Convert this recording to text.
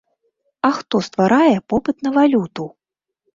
А хто стварае попыт на валюту?